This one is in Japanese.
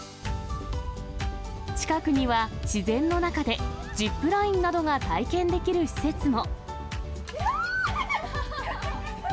近くには、自然の中でジップラインなどが体験できる施設も。